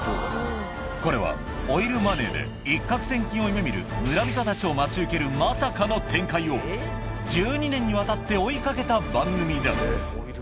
これはオイルマネーで一獲千金を夢みる村人たちを待ち受けるまさかの展開を、１２年にわたって追いかけた番組だ。